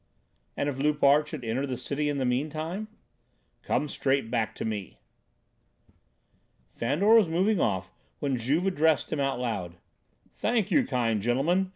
"And if Loupart should enter the Cité in the meantime?" "Come straight back to me." Fandor was moving off when Juve addressed him out loud: "Thank you, kind gentlemen!